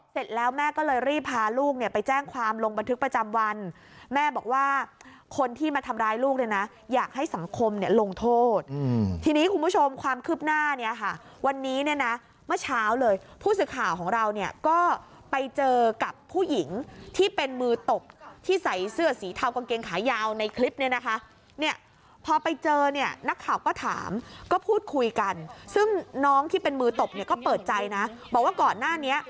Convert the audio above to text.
เสร็จแล้วแม่ก็เลยรีบพาลูกเนี่ยไปแจ้งความลงบันทึกประจำวันแม่บอกว่าคนที่มาทำร้ายลูกเลยนะอยากให้สังคมเนี่ยลงโทษทีนี้คุณผู้ชมความคืบหน้าเนี่ยค่ะวันนี้เนี่ยนะเมื่อเช้าเลยผู้สื่อข่าวของเราเนี่ยก็ไปเจอกับผู้หญิงที่เป็นมือตบที่ใส่เสื้อสีเทากางเกงขายาวในคลิปเนี่ยนะคะเนี่ยพอไปเจอเนี่ย